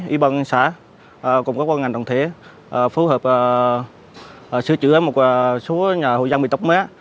y băng xã cùng các ngành đồng thể phù hợp sửa chữa một số nhà hội dân bị tốc má